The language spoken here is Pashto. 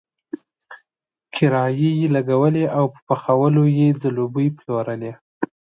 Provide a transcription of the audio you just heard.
کرایي یې لګولی او په پخولو یې ځلوبۍ پلورلې.